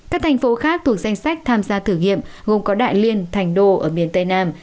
các thành phố khác thuộc danh sách tham gia thử nghiệm gồm có đại liên thành đô ở miền tây nam